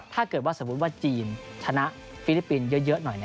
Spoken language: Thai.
ถ้าเกิดว่าสมมุติว่าจีนชนะฟิลิปปินส์เยอะหน่อย